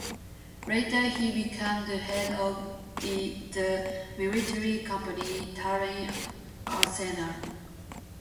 Later he become the head of the military company Tallinn Arsenal.